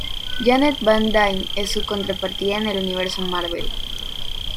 Janet Van Dyne es su contrapartida en el universo Marvel